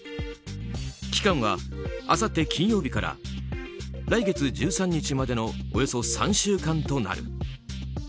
期間はあさって金曜日から来月１３日までのおよそ３週間となる。